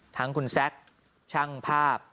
ทั้งคุณแซคช่างภาพ